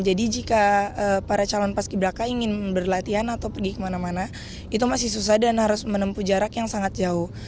jadi jika para calon paski braka ingin berlatih atau pergi kemana mana itu masih susah dan harus menempuh jarak yang sangat jauh